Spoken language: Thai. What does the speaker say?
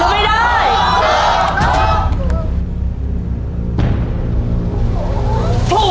ขอบคุณครับ